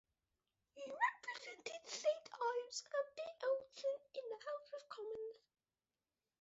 He represented Saint Ives and Bere Alston in the House of Commons.